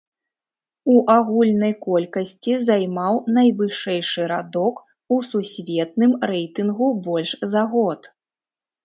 У агульнай колькасці займаў найвышэйшы радок у сусветным рэйтынгу больш за год.